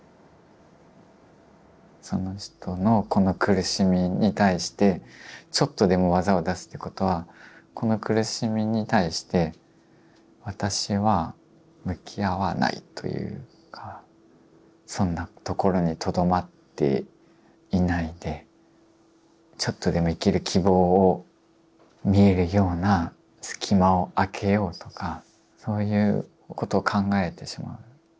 その人のこの苦しみに対してちょっとでも技を出すっていうことはこの苦しみに対して私は向き合わないというかそんなところにとどまっていないでちょっとでも生きる希望を見えるような隙間をあけようとかそういうことを考えてしまう。